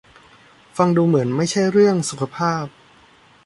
ฟังดูเหมือนไม่ใช่เรื่องสุขภาพ